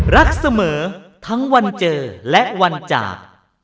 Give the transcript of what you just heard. รักเสมอทั้งวันเจอและวันจาก